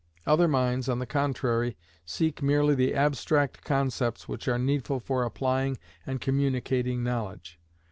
Other minds, on the contrary, seek merely the abstract concepts which are needful for applying and communicating knowledge.